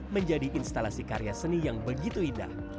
menjadi instalasi karya seni yang begitu indah